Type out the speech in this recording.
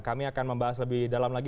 kami akan membahas lebih dalam lagi